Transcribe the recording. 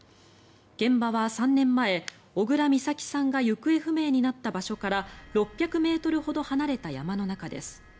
現場は３年前、小倉美咲さんが行方不明になった場所から６００ｍほど離れた山の中です。